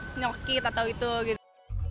kita sakit atau itu gitu